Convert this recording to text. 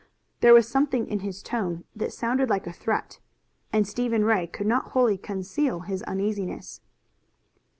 There was something in his tone that sounded like a threat, and Stephen Ray could not wholly conceal his uneasiness.